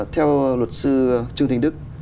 theo luật sư trương thịnh đức